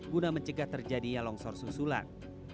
guna mencegah terjadinya longsor susulan